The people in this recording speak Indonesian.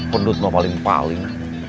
pendud mau paling paling